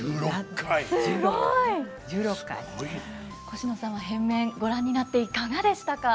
コシノさんは変面ご覧になっていかがでしたか？